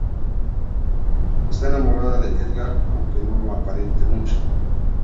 Está enamorada de Edgar aunque no lo aparente mucho.